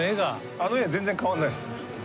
あの絵全然変わんないです。